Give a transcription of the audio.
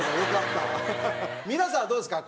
皆さんはどうですか？